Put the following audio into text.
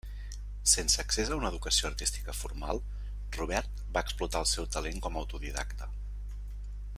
Sense accés a una educació artística formal, Robert va explotar el seu talent com autodidacta.